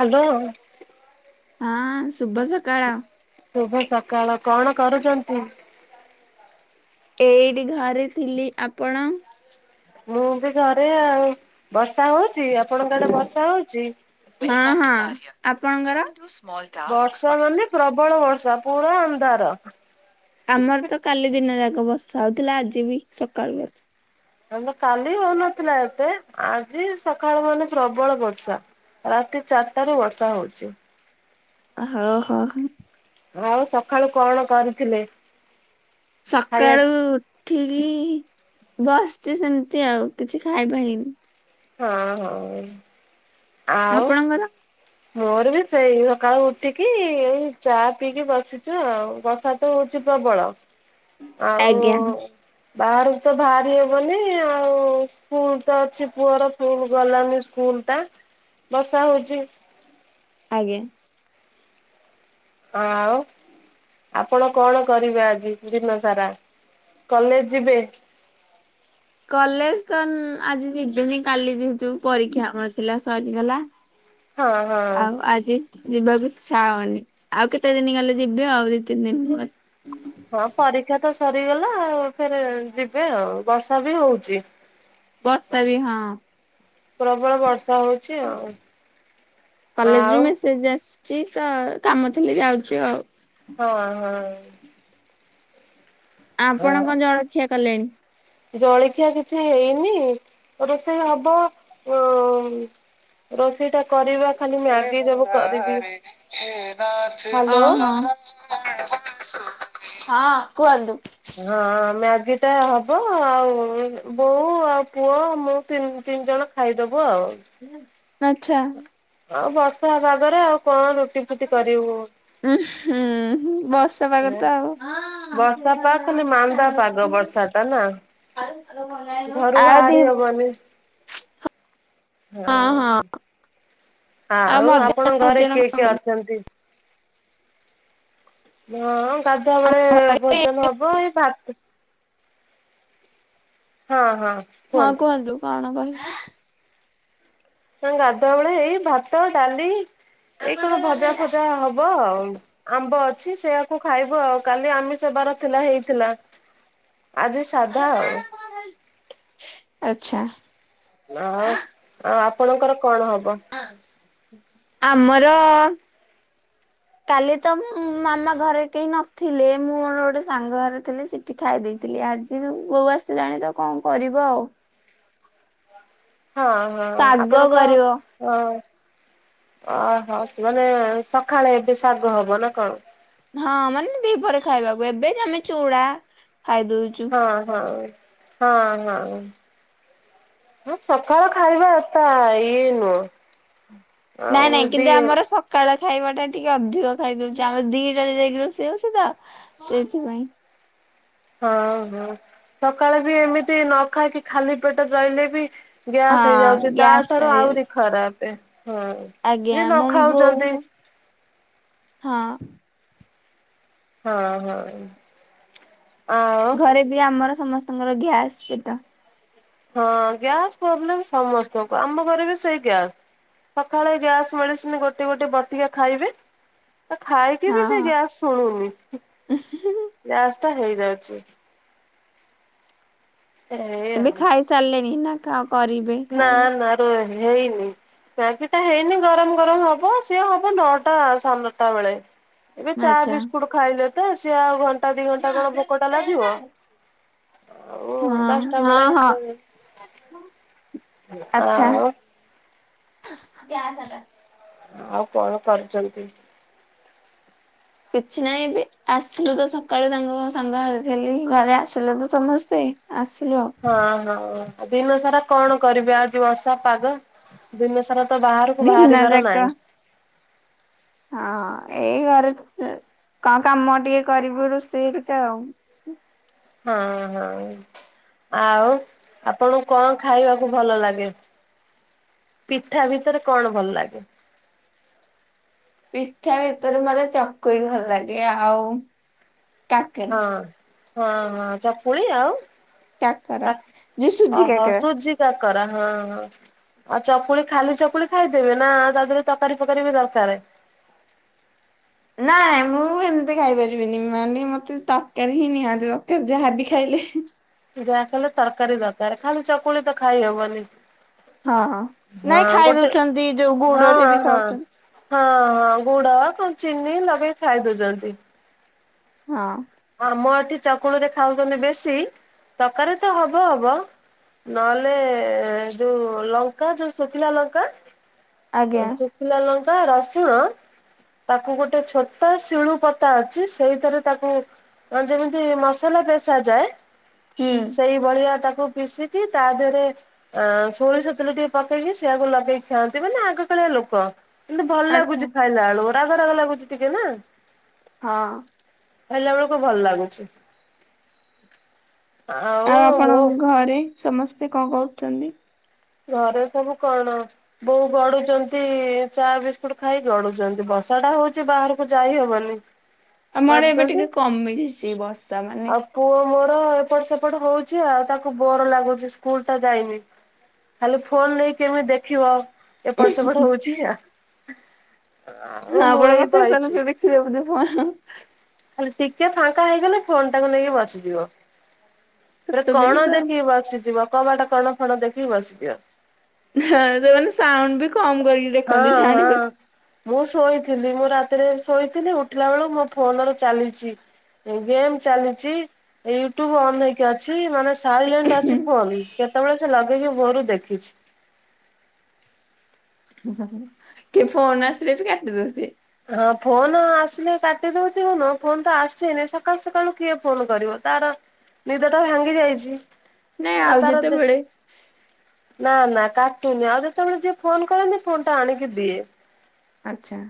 Hello. ହଁଅଁ ଶୁଭ ସକାଳ। ଶୁଭ ସକାଳ କଣ କରୁଚନ୍ତି? ଏଇଟି ଘରେ ଥିଲି ଆପଣ? ମୁଁ ବି ଘରେ ଆଉ ବର୍ଷା ହଉଚି ଆପଣଙ୍କ ଆଡେ ବର୍ଷା ହଉଚି। ହଁ ହଁ ଆପଣଙ୍କର? ବର୍ଷା ମାନେ ପ୍ରବଳ ବର୍ଷା ପୁରା ଅନ୍ଧାର। ଆମର ତ କାଲି ଦିନ ଯାକ ବର୍ଷା ହଉଥିଲା ଆଜି ବି ସକାଳୁ ବର୍ଷା ଆମର କାଲି ହଉନଥିଲା ଏତେ ଆଜି ସଖାଳୁ ମାନେ ପ୍ରବଳ ବର୍ଷା। ରାତି ଚାରଟା ରୁ ବର୍ଷା ହଉଚି। ହଉ ହଉ ହଁ। ଆଉ ସଖାଳୁ କଣ କରିଥିଲେ? ଖାଇବା ସକାଳୁ ଉ ଉ ଠିକି ବସଚି ସେମତି ଆଉ କିଛି ଖାଇବା ହେଇନି। ହଁ ହଁ ଅ ଆପଣଙ୍କର? ଆଉ। ମୋର ବି ସେଇ ସଖାଳୁ ଉଠିକି ଏଇ ଚା ପିଇକି ବସିଚୁ ଆଉ ବର୍ଷା ଶୀତ ହଉଚି ପ୍ରବଳ ଆଉ ଆଜ୍ଞା ବାହାରୁକୁ ତ ଭାଆରି ହବନି ଆଉ ସ୍କୁଲ ତ ଅଛି ପୁଅର ସ୍କୁଲ ଗଲାନି ସ୍କୁଲଟା ବର୍ଷା ହଉଚି। ଆଜ୍ଞା। ହଁ ଆଉ ଆପଣ କଣ କରିବେ ଆଜି ଦିନ ସାରା କଲେଜ ଯିବେ। କଲେଜ ତ ଆଜି ଯିବିନି କାଲି ଯିବି ଯେହେତୁ ପରୀକ୍ଷା ହଉ ଥିଲା ସରିଗଲା। ହଁ ହଁ ଆଉ ଆଜି ଯିବାକୁ ଇଛା ହଉନି ଆଉ କେତେ ଦିନ ଗଲେ ଯିବି ଆଉ ଦି ତିନି ଦିନ ହଁ ପରୀକ୍ଷା ତ ସରିଗଲା ଆଉ ଫେରେ ଯିବେ ଆଉ ବର୍ଷା ବି ହଉଛି। ବର୍ଷା ବି ହଁ। ପ୍ରବଳ ବର୍ଷା ହଉଛି ଆଉ ଆଉ ଦିଦି ଆସିଚି ତ କାମ ଥିଲି ଯାଉଛୁ ଆଉ ହଁ ହଁ। ଆପଣ ହଁ କଣ ଜଳଖିଆ କଲେଣି? ଜଳଖିଆ କିଛି ହେଇନି ରୋଷେଇ ହବ ଉ ରୋଷେଇଟା। [unintelligible] ହ୍ୟାଲୋ। ହଁ କୁହନ୍ତୁ। ହଁ ମ୍ୟାଗିଟା ହବ ଆଉ ବୋଉ ଆଉ ପୁଅ ମୁଁ ତିନ ତିନି ଜଣ ଖାଇଦବୁ ଆଉ ଆଛା। ଆଉ ବର୍ଷା ହେବା ପାଗରେ ଆଉ କଣ ରୁ ଉ ହୁଁ ବସ୍। ବର୍ଷା ପାଗ ଖାଲି ମାନ୍ଦା ପାଗ ବର୍ଷା ଟା ନା ଘରୁ [unintelligible] ଆ ଦି ବାହାରି ହବନି। ହଁ। ହଁ ଆଉ ମଧ୍ୟାହ୍ନ ଆପଣଙ୍କ ଘରେ ଭୋଜନ କିଏ କଣ କିଏ କଲେ? ଅଛନ୍ତି? ହଁ ଗାଧୁଆ ବେଳେ ଭୋଜନ ହବ ଏଇ ଭାତ ହଁ ହଁ ହଁ କୁହନ୍ତୁ କଣ କହି ନା ଗାଧୁଆ ବେଳେ ଏଇ ଭାତ ଡାଲି ଏଇ କଣ ଭଜା ଫଜା ହବ ଆଉ। ଆମ୍ବ ଅଛି ସେୟାକୁ ଖାଇବୁ ଆଉ କାଲି ଆମିଷ ବାର ଥିଲା ହେଇଥିଲା। ଆଜି ସାଧା ଆଉ। ଆଚ୍ଛା। ଆଉ ଆଉ ଆପଣଙ୍କର କଣ ହବ? ଆମର [inaudible] କାଲି ତ ମାମା ଘରେ କେହି ନଥିଲେ ମୁଁ ମୋର ଗୋଟେ ସାଙ୍ଗ ଘରେ ଥିଲି ସି ଖାଇ ଦେଇଥିଲି ଆଜି ତ ବୋଉ ଆସିଲାଣି ତ କଣ କରିବ ଆଉ। ହଁ ହଁ ଶାଗ ଆପଣଙ୍କ କରିବ। ହଁ ଅହ ମାନେ ସକାଳେ ଏବେ ଶାଗ ହବ ନା କଣ? ହଁ ମାନେ ଦିପହରେ ଖାଇବାକୁ ଏବେ ଯେ ଆମେ ଚୁଡା ଖାଇ ଦଉଛୁ। ହଁ ହଁ ହଁ ହଁ। ହଁ ସକାଳ ଖାଇବା ତା ଇଏ ନୁହଁ। ନାଇଁ ଆଉ ନାଇଁ କିନ୍ତୁ ଦି ଆମର ସ କାଳ ଖାଇବାଟା ଟିକେ ଅଧିକ ଖାଇଦଉଛି ଆମର ଦିଟାରେ ଯାଇକି ରୋଷେଇ ହେଉଛି ତ ସେଥିପାଇଁ। ହଁ ହଁ ସକାଳେ ବି ଏମିତି ନ ଖାଇକି ଖାଲି ପେଟ ରହିଲେ ବି ଗ୍ୟାସ୍ ହଁ ହେଇଯାଉଛି ତା ଗ୍ୟାସ୍ ଠାରୁ ଆହୁରି ହେଇଯାଉଛି ଖରାପ ହୁଁ। ଆଜ୍ଞା ଯିଏ ମୋ ବୋଉ ନଖାଉଛନ୍ତି ହଁ। ହଁ ହଁ। ଆଉ ଘରେ ବି ଆମର ସମସ୍ତଙ୍କର ଗ୍ୟାସ ପେଟ ହଁ ଗ୍ୟାସ ପ୍ରୋବ୍ଲେମ ସମସ୍ତଙ୍କୁ ଆମ ଘରେ ବି ସେଇ ଗ୍ୟାସ୍ ସକାଳେ ଗ୍ୟାସ ମେଡିସିନ ଗୋଟେ ଗୋଟେ ବଟିକା ଖାଇବେ ତ ଖାଇକି ବି ହଁ ସେ ହଁ। ଗ୍ୟାସ ଶୁଣୁନି ଗ୍ୟାସ ଟା ହେଇଯାଉଛି। ଏଇ ଏବେ ଆଉ। ଖାଇ ସାରିଲେଣି ନା କରି ନା ନା ହେଇନି। ବାକିଟ ହେଇନି ଗରମ ଗରମ ହବ ସିଏ ହବ ନଅଟା ସାନଟା ବେଳେ ଏବେ ଚା ଆଚ୍ଛା। ବିସ୍କୁଟ ଖାଇଲେ ତ ସିଏ ଆଉ ଘଣ୍ଟା ଦି ଘଣ୍ଟା କଣ ଭୋକ ଟା ଲାଗିବ। ଆଉ ଦଶଟା ହଁ ହଁ ବେଳେ ହଁ ଆଚ୍ଛା। ଆଉ ଆଉ କଣ କରୁଛନ୍ତି? କିଛି ନାହିଁ ଆସିଲୁ ତ ସକାଳୁ ତାଙ୍କ ସାଙ୍ଗ ଘରେଥିଲି ଘରେ ଆସିଲୁ ତ ସମସ୍ତେ ଆସିଲୁ ଆଉ। ହଁ ହଁ ଦିନ ସାରା କଣ କରିବି ଆଉଜି ବର୍ଷା ପାଗ ଦିନ ସାରା ତ ବାହାରକୁ ଦିନ ବାହାରିବାର ଯାକ ନାହିଁ। ହଁ ଏଇ ଘରେ କଣ କାମ ଟିକେ କରିବୁ ରୋଷେଇଥା ଆଉ ହଁ ହଁ। ଆଉ ଆପଣଙ୍କୁ କଣ ଖାଇବାକୁ ଭଲ ଲାଗେ? ପିଠା ଭିତରେ କଣ ଭଲ ଲାଗେ? ପିଠା ଭିତରେ ମୋତେ ଚକୁଳି ଭଲ ଲାଗେ ଆଉ। କାକେରା ହଁ ହଁ ହଁ ଚକୁଳି ଆଉ। କାକରା କା ଯେ ସୁଜି ଓହୋ କାକରା [unintelligible] ଆଉ ଚକୁଳି ଖାଲି ଚକୁଳି ଖାଇଦେବେ ନା ତା ଦେହରେ ତରକାରୀ ଫକକାରୀ ବି ଦରକାର ନାଇଁ ମୁଁ ଏମିତି ଖାଇପାରିବିନି ମାନେ ମତେ ତରକାରୀ ହିଁ ନିହାତି ଦରକାର ଯାହାବି ଖାଇଲେ ଯାହା ଖଲେ ତରକାରୀ ଦରକାର ଖାଲି ଚକୁଳି ତ ଖାଇହବନି ହଁ ହଁ ନାଇଁ ଖାଇ ଗୋଟେ ଦଉଛନ୍ତି ଯୋଉ ହଁ ଗୁଡରେ ବି ହଁ। ଖାଉଛନ୍ତି ହଁ ହଁ ଗୁଡ କଣ ଚିନି ଲଗେଇ ଖାଇ ଦଉଛନ୍ତି। ହଁ ଆମ ଏଠି ଚକୁଳ ରେ ଖାଉଛନ୍ତି ବେଶୀ ତରକାରୀ ତ ହବ ହବ। ନହେଲେ ଯୋଉ ଲଙ୍କା ଯୋଉ ଶୁଖିଲା ଲଙ୍କା। ଆଜ୍ଞା ଶୁଖିଲା ଲଙ୍କା ରସୁଣ ତାକୁ ଗୋଟେ ଛୋଟ ଶିଳୁ ପତା ଅଛି ସେଇଥିରେ ତାକୁ ଯେମିତି ମସଲା ପେଶ ଯାଏ। ହୁଁ ସେଇ ଭଳିଆ ତାକୁ ପିଶିକି ତା ଦେହରେ ଅ ସୋରିଷ ତେଲ ଟିକେ ପକେଇକି ସେଆକୁ ଲଗେଇି ଖାଆନ୍ତି ମାନେ ଖେଳିଆ ଲୋକ କିନ୍ତୁ ଭଲ ଆଚ୍ଛା ଲାଗୁଛି ଖାଇଲା ବେଳୁ ରାଗ ରାଗ ଲାଗୁଛି ଟିକେ ନା ହଁ ଖାଇଲା ବେଳକୁ ଭଲ ଲାଗୁଛି। ଆଉ ଆପଣଙ୍କ ଘରେ ସମସ୍ତେ କଣ କରଛନ୍ତି? ଘରେ ସବୁ କଣ? ବୋଉ ଗଡୁଛନ୍ତି ଚା ବିସ୍କୁଟ ଖାଇ ଗଡୁଛନ୍ତି ବର୍ଷା ଟା ହଉଛି ବାହାରକୁ ଯାଇହବନି। ହଁ ଆମ ଆଡେ ଏବେ ଟିକେ କମିଛି ବର୍ଷା ମାନେ ଆଉ ପୁଅ ମୋର ଏପଟ ସେପଟ ହଉଛି ଆଉ ତାକୁ ବର ଲାଗୁଛି ସ୍କୁଲ ଟା ଯାଇନି। ଖାଲି ଫୋନ ନେଇକି କେମିତି ଦେଖିବ ଏପଟ ସେପଟ ହଉଛି ଆ ହଁ ଆଉ ମୁଁ ଆପଣ ଏଇ କଥା ଶୁଣି ବାଇଛି। ଶୁଣି ବୋଧେ ଫୋନ। ଖାଲି ଟିକେ ଫାଙ୍କା ହେଇଗଲେ ଫୋନ୍ ଟାକୁ ନେଇକି ବସିଯିବ। ପୁରା ଛୋଟ ପିଲା କଣ ତ ଦେଖିକି ବସିଯିବ କବାଟା କଣ ଫଣ ଦେଖିକି ବସିଯିବ। ହଁ ସେମାନେ ସାଉଣ୍ଡ ବି କମ କରିକି ହଁ ଦେଖନ୍ତି ହଁ। ଜାଣି ପାରୁ ମୁଁ ଶୋଇଥିଲି ମୁଁ ରାତିରେ ଶୋଇଥିଲି ଉଠିଲା ବେଳକୁ ମୋ ଫୋନ ର ଚାଲିଛି। ଗେମ୍ ଚାଲିଛି ୟୁଟ୍ୟୁବ ଅନ୍ ହେଇକି ଅଛି ମାନେ ସାଇଲେଣ୍ଟ ଅଛି ଫୋନ୍ କେତେବେଳେ ସେ ଲଗେଇକି ଭୋରୁ ଦେଖିଛି। ହୁଁ ହୁଁ ହୁଁ କି ଫୋନ ଆସିଲେ ବି କାଟିଦଉଚି ସିଏ ହଁ ଫୋନ ଆସିଲେ କାଟିଦଉଥିବ ନୁହ ଫୋନ ତ ଆସିନି ସକାଳୁ ସକାଳୁ କିଏ ଫୋନ କରିବ ତାର ନିଦ ଟା ଭାଙ୍ଗି ଯାଇଛି ନାଇଁ ଆଉ ଆ ତାର ଦେ ଯେତେବେଳେ ନା ନା କାଟୁନି ଆଉ ଯେତେବେଳେ ଯିଏ ଫୋନ କରନ୍ତି ଫୋନ ଟା ଆଣିକି ଦିଏ। ଆଛା।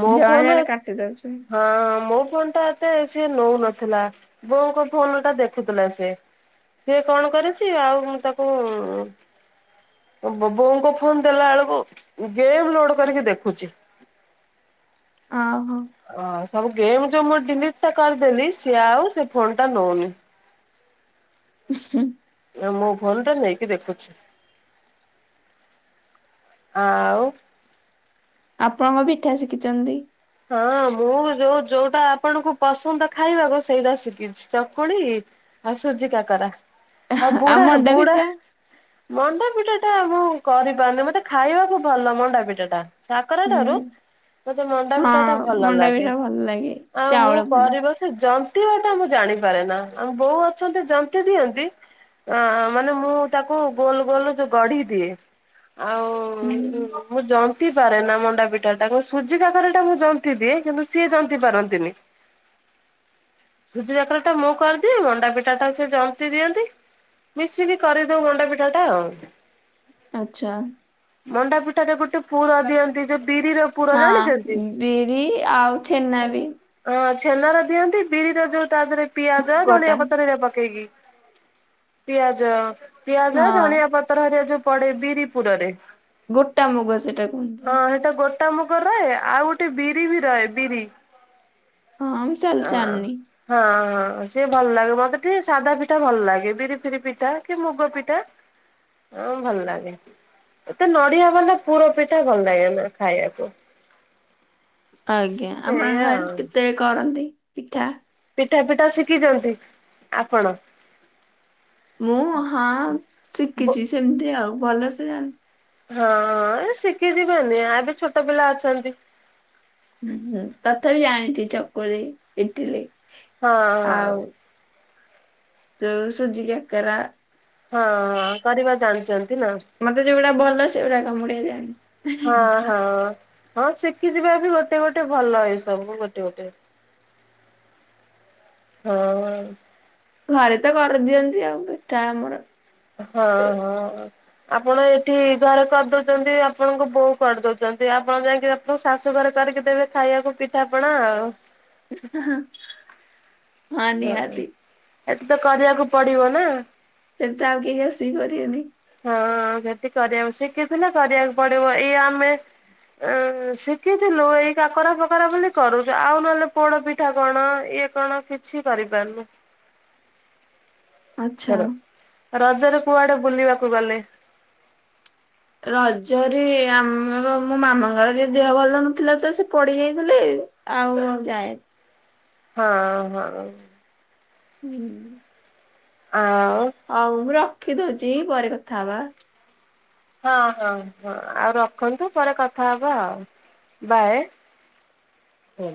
ମୋ ଫୋନ ଏ ଦଉଛନ୍ତି ହଁ ମୋ ଫୋନଟା। ଏତେ ସିଏ ନଉନଥିଲା ବୋଉଙ୍କ ଫୋନ ଟା ଦେଖୁଥିଲା ସିଏ। ସିଏ କଣ କରିଛି ଆଉ ମୁଁ ତାକୁ ଉଁ। ବୋ-ବୋଉଙ୍କ ଫୋନ ଦେଲା ବେଳକୁ ଗେମ୍ ଲୋଡ କରିକି ଦେଖୁଛି। ଓହୋ। ଓ ସବୁ ଗେମ୍ ଯୋଉ ମୁଁ ଡିଲିଟ ଟା କରିଦେଲି ସିଏ ଆଉ ସେ ଫୋନ୍ ଟା ନଉନି। ଉ ହୁଁ। ମୋ ଫୋନ ଟା ନେଇକି ଦେଖୁଛି ଆଉ। ଆପଣଙ୍କ ପିଠା ଶିଖିଛନ୍ତି? ହଁ ମୁଁ ଯୋଉ ଯୋଉଟା ଆପଣଙ୍କୁ ପସନ୍ଦ ଖାଇବାକୁ ସେଇଟା ଶିଖିଛି ଚକୁଳି। ଆଉ ସୁଜି କାକରା ଆଉ ବୁଢା ମଣ୍ଡା ବୁଢା। ପିଠା ମଣ୍ଡାପିଠା ଟା ମୁଁ କରିପାରୁନି ମତେ ଖାଇବାକୁ ଭଲ ମଣ୍ଡାପିଠା ଟା। କାକରା ହୁଁ ଠାରୁ ମୋତେ ହଁ ମଣ୍ଡାପିଠା ଟା ଭଲ ମଣ୍ଡା ଲାଗେ ପିଠା ଭଲ ଲାଗେ ଆଉ ମୁଁ ଚାଉଳ ମଣ୍ଡା କରିବ ସେ ଜନ୍ତିବା ଟା ମୁଁ ଜାଣିପାରେ ନା ଆମ ବୋଉ ଅଛନ୍ତି ଜନ୍ତି ଦିଅନ୍ତି। ଅ ମାନେ ମୁଁ ତାକୁ ଗୋଲ ଗୋଲ ଯୋଉ ଗଢି ଦିଏ। ହୁଁ ଆଉ ମୁଁ ଜନ୍ତି ପାରେ ନା ମଣ୍ଡାପିଠା ଟା ମୁଁ ସୁଜି କାକରା ଟା ମୁଁ ଜନ୍ତି ଦିଏ କିନ୍ତୁ ସିଏ ଜନ୍ତି ପାରନ୍ତିନି। ସୁଜି କାକରା ଟା ମୁଁ କରିଦିଏ ମଣ୍ଡା ପିଠା ଟା ସେ ଜନ୍ତି ଦିଅନ୍ତି। ମିଶିକି କରିଦଉ ମଣ୍ଡା ପିଠା ଟା ଆଉ। ଆଚ୍ଛା। ମଣ୍ଡାପିଠାରେ ଗୋଟେ ପୂର୍ ଦିଅନ୍ତି ଯୋଉ ବିରିର ପୁର ଜାଣିଛନ୍ତି? ହଁ ବିରି ଆଉ ଛେନା ବି। ହଁ ଛେନ ର ଦିଅନ୍ତି ବିରିର ଯୋଉ ତା ଦେହରେ ପିଆଜ ମୁଗଟା ଧଣିଆ ପତ୍ର ଏରା ପକେଇକି। ପିଆଜ ପିଆଜ ହଁ ଧନିଆ ପତ୍ର ହରିଆ ଯୋଉ ପଡେ ବିରିପୁରରେ। ଗୋଟା ମୁଗ ସେଇଟା କୁହନ୍ତି। ଏଟା ମୁଗ ରେ ଆଉ ଗୋଟେ ବିରି ବି ରହେ ବିରି ହଁ ମୁଁ ଚାଲି ହଁ ଜାଣିନି ହଁ ହଁ ସିଏ ଭଲ ଲାଗେ ମତେ ଟିକେ ସାଧା ପିଠା ଭଲ ଲାଗେ ବିରି ଫିରି ପିଠା କି ମୁଗ ପିଠା। ହଁ ଭଲ ଲାଗେ ଏତେ ନଡିଆ ବାଲା ପୁର ପିଠା ଭଲ ଲାଗେନା ଖାଇବାକୁ। ଆଜ୍ଞା ଆପଣଙ୍କ ଏଇଆ ଘରେ ଆଉ। କେତେବେଳେ କରନ୍ତି ପିଠା? ପିଠା ପିଠା ଶିଖିଛନ୍ତି ଆପଣ? ମୁଁ ହଁ ବୋ ଶିଖିଛି ସେମିତି ଆଉ ଭଲସେ ଜାଣ ହଁଁ ଏ ଶିଖିଯିବେନି ଏବେ ଛୋଟ ପିଲା ଅଛନ୍ତି। ହୁଁ ହୁଁ ତଥାପି ଜାଣିଛି ଚକୁଳି ଇଟିଲି। ହଁ ହଁ। ଯଉ ସୁଜି କାକରା। ହଁ ହଁ କରିବା ଜାଣିଛନ୍ତି ନା? ମତେ ଯୋଉଗୁଡା ଭଲ ସେଗୁଡା କୁ ମୁଁ ଟିକେ ହଁ ଜାଣିଛି। ହଁ ହଁ ଶିଖିଯିବା ବି ଗୋଟେ ଗୋଟେ ଭଲ ଏଇ ସବୁ ଗୋଟେ ଗୋଟେ। ହଁ। ଘରେ ତ କରିଦିଅନ୍ତି ଆଉ ପିଟା ଆମର ହଁ ହଁ ଆପଣ ଏଠି ଘରେ କରିଦଉଛନ୍ତି ଆପଣଙ୍କ ବୋଉ କରିଦଉଛନ୍ତି ଆପଣ ଯାଇକି ଆ ଶାଶୁଘରେ କରିକି ଦେବେ ଖାଇବାକୁ ପିଠାପଣା ଆଉ। ହ ହଁ ଏତେ ତ କରିବାକୁ ପଡିବ ନା ସେମିତି ଆଉ କେହି ରସେଇ କରିବେନି ହଁ ସେଠି କରିବାକୁ ଶିଖିଥିଲେ କରିବାକୁ ପଡିବ ଏଇ ଆମେ ଶିଖିଥିଲୁ ଏଇ କାକରା ଫକରା ବୋଲି କରୁଛ ଆଉ ନହେଲେ ପୋଡ ପିଠା କଣ ଇଏ କଣ କିଛି କରିପାରୁନି ଆଚ୍ଛା। ର ରଜରେ କୁଆଆଡେ ବୁଲିବାକୁ ଗଲେ ରଜରୀ ଆମର ମୋ ମାମାଙ୍କର ଯ ଦେହ ଭଲ ନଥିଲା ତ ସେ ପଡିି ଯାଇଥିଲେ ଆଉ ଯାଏ ହଁ ହଁ ହୁଁ ଅ ହଉ ମୁଁ ରଖିଦଉଛି ପରେ କଥା ହବା ହଁ ହଁ ହଁ ଆଉ ରଖନ୍ତୁ ପରେ କଥା ହବା ଆଉ ବାଏ ହୁଁ